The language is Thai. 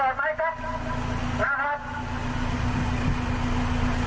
มันยังไม่เกิดไหมครับนะครับ